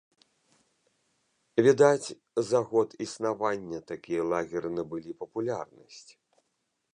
Відаць, за год існавання такія лагеры набылі папулярнасць.